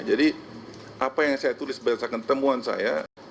jadi apa yang saya tulis pada saat ketemuan saya